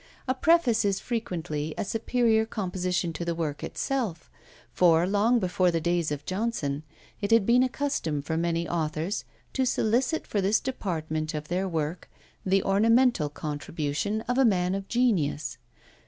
A preface is frequently a superior composition to the work itself: for, long before the days of Johnson, it had been a custom for many authors to solicit for this department of their work the ornamental contribution of a man of genius.